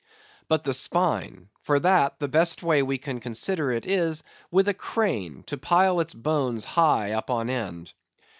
But the spine. For that, the best way we can consider it is, with a crane, to pile its bones high up on end.